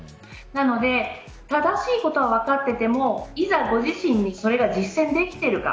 なので、正しいことは分かっていてもいざ、ご自身にそれが実践できているか。